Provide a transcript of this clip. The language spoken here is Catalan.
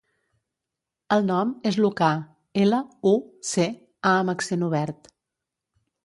El nom és Lucà: ela, u, ce, a amb accent obert.